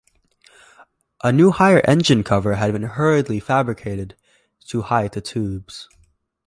A new higher engine cover had been hurriedly fabricated to hide the tubes.